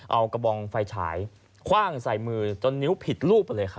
เอากระบองไฟฉายคว่างใส่มือจนนิ้วผิดรูปไปเลยครับ